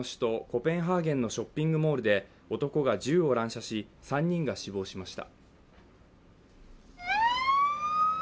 コペンハーゲンのショッピングモールで男が銃を乱射し、３人が死亡しました。